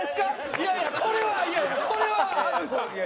いやいやこれはいやいやこれは淳さん。